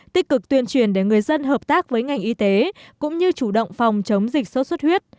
tích cực tuyên truyền để người dân hợp tác với ngành y tế cũng như chủ động phòng chống dịch sốt xuất huyết